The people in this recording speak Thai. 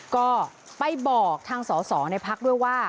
ก็ไปบอกทางส่อในภักดิ์ด้วยว่า